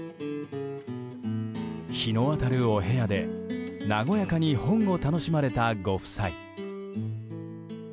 日の当たるお部屋で和やかに本を楽しまれたご夫妻。